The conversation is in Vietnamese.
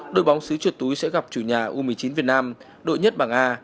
đội bóng xứ chuột túi sẽ gặp chủ nhà u một mươi chín việt nam đội nhất bảng a